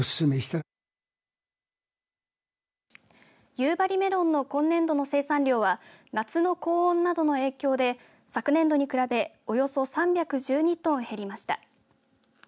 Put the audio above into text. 夕張メロンの今年度の生産量は夏の高温などの影響で昨年度に比べおよそ３１２トン減りました。